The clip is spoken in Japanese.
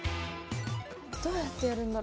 どうやってやるんだろ？